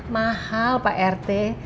mahal pak rt